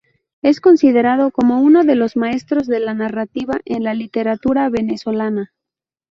Es considerado como uno de los maestros de la narrativa en la literatura venezolana.